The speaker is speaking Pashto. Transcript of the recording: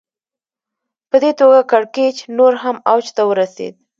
په دې توګه کړکېچ نور هم اوج ته ورسېد